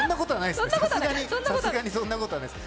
さすがにそんなことはないです。